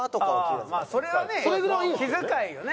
まあそれはね気遣いよね。